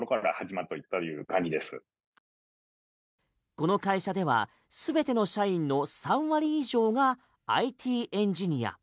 この会社では全ての社員の３割以上がＩＴエンジニア。